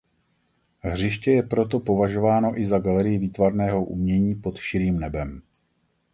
Hřiště je proto považováno i za galerii výtvarného umění pod širým nebem.